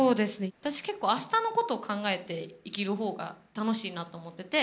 私、結構あしたのこと考えて生きるほうが楽しいなって思ってて。